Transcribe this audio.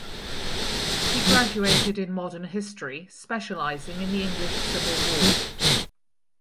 He graduated in modern history specialising in the English civil war.